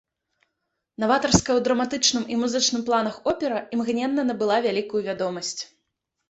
Наватарская ў драматычным і музычным планах опера імгненна набыла вялікую вядомасць.